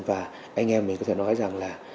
và anh em mình có thể nói rằng là